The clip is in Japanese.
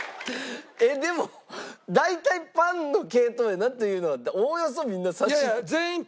でも大体パンの系統やなというのはおおよそみんな察し。